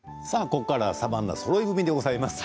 ここからはサバンナそろい踏みでございます。